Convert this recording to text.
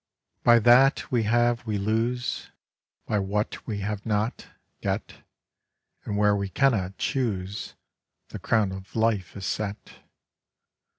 By that we have we lose; By what we have not, get; And where we cannot choose The crown of life is set.